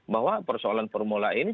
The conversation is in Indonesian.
bahwa persoalan formula e ini